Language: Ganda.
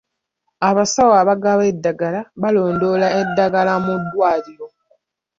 Abasawo abagaba eddagala balondoola edddagala mu ddwaliro.